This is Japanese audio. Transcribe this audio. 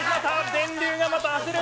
電流がまた走る！